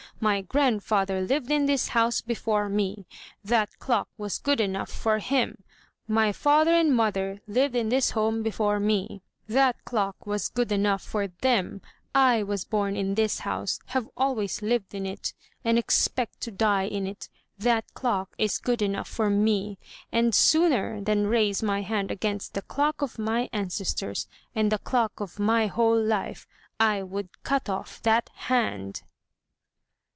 My grandfather lived in this house before me; that clock was good enough for him! My father and mother lived in this home before me; that clock was good enough for them! I was bom in this house, have always lived in it, and expect to die in it; that clock is good enough for me! And sooner than raise my hand against the clock of my ancestors, and the clock of my whole life, I would cut off that hand!'